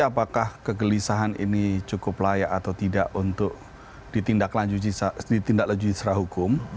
apakah kegelisahan ini cukup layak atau tidak untuk ditindaklanjuti secara hukum